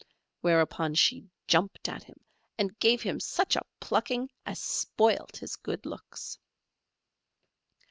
Whereupon she jumped at him and gave him such a plucking as spoilt his good looks.